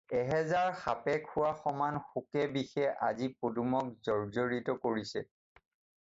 এহেজাৰ সাপে খোৱা সমান শোকে-বিষে আজি পদুমক জৰ্জ্জৰিত কৰিছে।